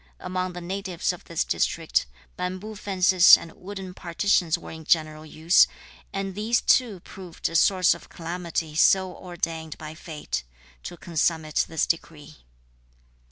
Among the natives of this district bamboo fences and wooden partitions were in general use, and these too proved a source of calamity so ordained by fate (to consummate this decree).